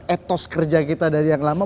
etos kerja kita dari yang lama